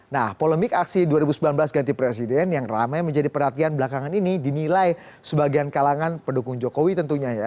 nah polemik aksi dua ribu sembilan belas ganti presiden yang ramai menjadi perhatian belakangan ini dinilai sebagian kalangan pendukung jokowi tentunya ya